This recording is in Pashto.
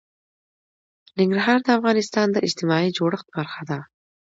ننګرهار د افغانستان د اجتماعي جوړښت برخه ده.